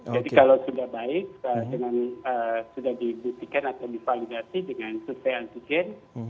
jadi kalau sudah baik sudah dibuktikan atau divalidasi dengan supaya antigen